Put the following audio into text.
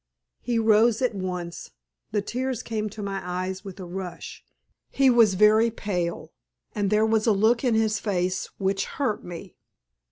He rose at once. The tears came to my eyes with a rush. He was very pale, and there was a look in his face which hurt me.